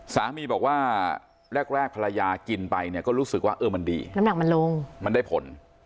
สามีบอกว่าแรกภรรยากินไปเนี่ยก็รู้สึกว่าเออมันดีน้ำหนักมันลงมันได้ผล